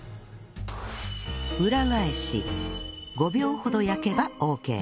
裏返し５秒ほど焼けばオーケー